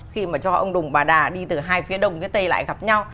khi mà cho ông đùng bà đà đi từ hai phía đông phía tây lại gặp nhau